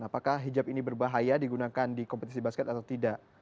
apakah hijab ini berbahaya digunakan di kompetisi basket atau tidak